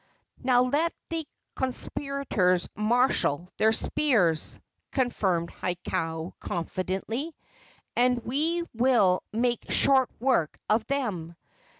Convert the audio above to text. "Now let the conspirators marshal their spears!" continued Hakau, confidently, "and we will make short work of them.